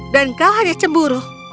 dan kau hanya cemburu